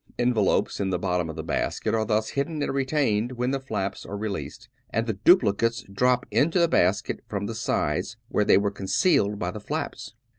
Envelopes in the bottom of the basket are thus hidden and retained, when the flaps are released, and the duplicates drop into the basket, from the sides where they were concealed by the flaps.